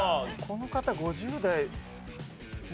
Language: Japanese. この方５０代。